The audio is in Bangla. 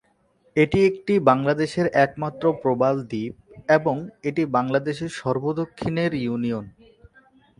এটি একটি বাংলাদেশের একমাত্র প্রবাল দ্বীপ এবং এটি বাংলাদেশের সর্ব-দক্ষিণের ইউনিয়ন।